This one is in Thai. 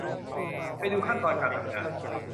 ไปดูขั้นตอนการทำงาน